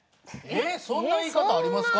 そんな言い方ありますか？